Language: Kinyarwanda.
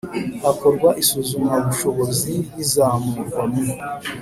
hakorwa isuzumabushobozi n izamurwa mu